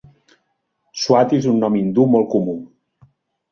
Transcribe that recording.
Swati és un nom hindú molt comú.